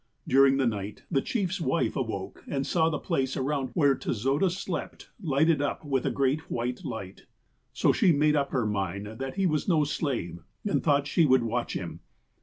During the night, the chief's wife awoke, and saw the j^lace around where Tezoda slept lighted up with a great white light. So she made up her mind that he was no slave and thought she would watch him.